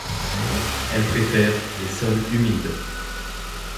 Elle préfère les sols humides.